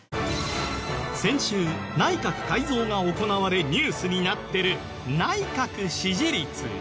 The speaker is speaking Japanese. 先週内閣改造が行われニュースになってる内閣支持率。